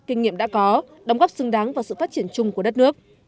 kinh nghiệm đã có đóng góp xứng đáng vào sự phát triển chung của đất nước